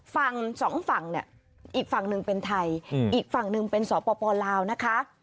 ฝั่งสองฝั่งเนี่ยอีกฝั่งหนึ่งเป็นไทยอีกฝั่งหนึ่งเป็นสปลาวนะคะ